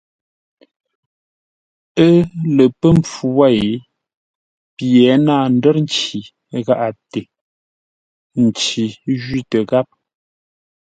Ə́ lə pə́ mpfu wêi, pye náa ndə́r nci gháʼate; nci jwítə gháp.